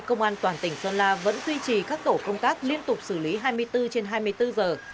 công an toàn tỉnh sơn la vẫn tuy trì các tổ công tác liên tục xử lý hai mươi bốn trên hai mươi bốn giờ